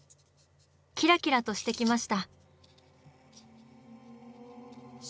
キラキラとしてきました。